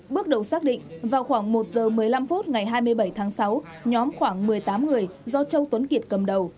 bước đầu xác định vào khoảng một giờ một mươi năm phút ngày hai mươi bảy tháng sáu nhóm khoảng một mươi tám người do châu tuấn kiệt cầm đầu